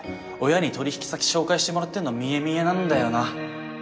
親に取引先紹介してもらってんの見え見えなんだよな